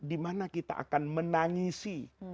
dimana kita akan menangisi